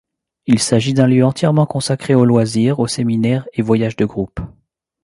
Il s'agit d'un lieu entièrement consacré aux loisirs, aux séminaires et voyages de groupe.